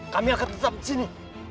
kami akan tetap di sini